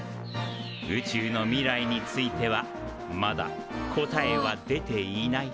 宇宙の未来についてはまだ答えは出ていない。